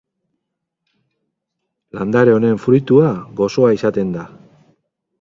Landare honen fruitua gozoa izaten da.